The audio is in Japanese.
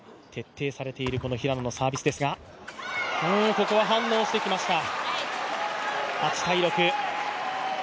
ここは反応してきました。